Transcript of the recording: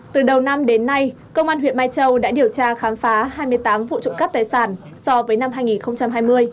từ đầu năm đến nay công an huyện mai châu đã điều tra khám phá hai mươi tám vụ trộm cắp tài sản so với năm hai nghìn hai mươi